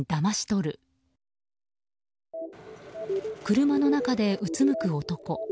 車の中で、うつむく男。